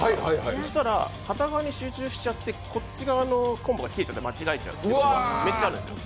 そうしたら片側に集中しちゃってこっちのコンボは間違えちゃうということがめっちゃあるんですよ。